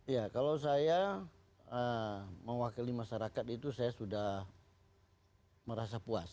ya kalau saya mewakili masyarakat itu saya sudah merasa puas